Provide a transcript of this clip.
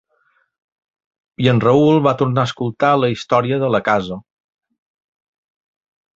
I en Raül va tornar a escoltar la història de la casa.